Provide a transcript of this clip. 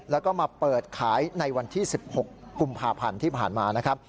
แล้วก็มาเปิดขายในวันที่๑๖กุมภาพันธ์ที่ผ่านมานะครับ